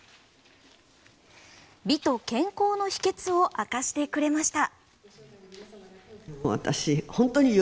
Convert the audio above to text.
美と健康の秘訣を明かしてくれました。